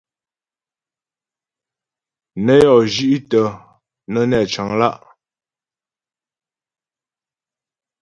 Nə́ yɔ́ zhi'tə nə́ nɛ́ cəŋ lá'.